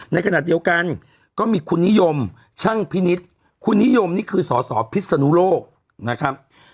ในขณะเดียวกันก็มีคุณนิยมช่างพินิษฐ์คุณนิยมนี่คือสสพิศนุโลกนะครับ